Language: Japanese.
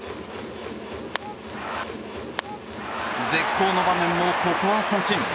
絶好の場面もここは三振。